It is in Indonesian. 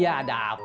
ya ada apa